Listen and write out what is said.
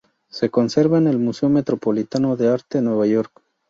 Se conserva en el Museo Metropolitano de Arte, Nueva York.